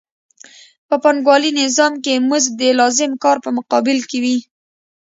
په پانګوالي نظام کې مزد د لازم کار په مقابل کې وي